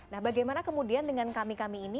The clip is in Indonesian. nah bagaimana kemudian dengan kami kami ini